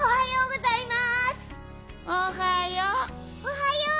おはよう。